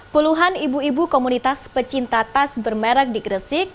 puluhan ibu ibu komunitas pecinta tas bermerek di gresik